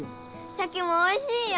シャケもおいしいよ！